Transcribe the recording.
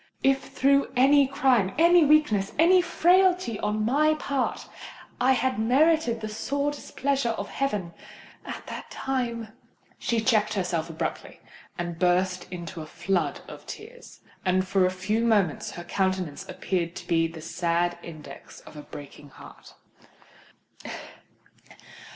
If through any crime—any weakness—any frailty on my part, I had merited the sore displeasure of heaven—at that time——" She checked herself abruptly, and burst into a flood of tears; and for a few moments her countenance appeared to be the sad index of a breaking heart.